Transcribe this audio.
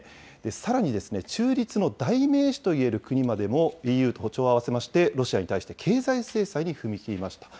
さらに中立の代名詞といえる国までもＥＵと歩調を合わせまして、ロシアに対して経済制裁に踏み切りました。